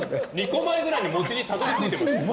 ２個前ぐらいにもちにたどり着いてましたよ。